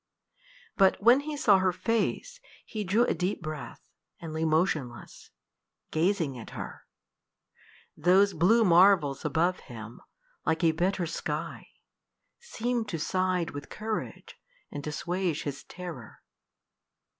But when he saw her face he drew a deep breath, and lay motionless gazing at her: those blue marvels above him, like a better sky, seemed to side with courage and assuage his terror.